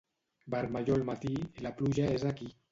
Vermellor al matí, la pluja és aquí.